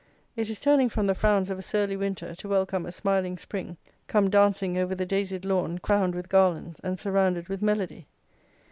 'It is turning from the frowns of a surly winter, to welcome a smiling spring come dancing over the daisied lawn, crowned with garlands, and surrounded with melody.'